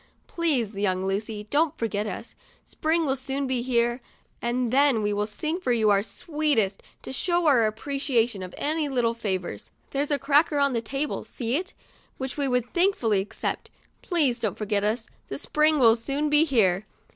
Please, young Lucy, don't forget us ; Spring will soon be here, and then we'll sing for you our sweetest, to show our appreciation of any little favors. There's a cracker on that table, see it ? which we would thankfully accept. Please don't forget us, the Spring will soon be here."